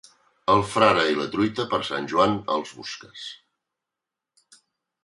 El frare i la truita, per Sant Joan els busques.